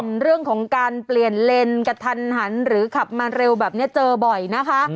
ส่วนเรื่องของการเปลี่ยนเลนกระทันหันหรือขับมาเร็วแบบนี้เจอบ่อยนะคะ